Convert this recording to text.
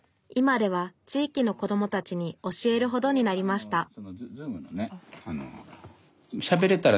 今では地域の子どもたちに教えるほどになりました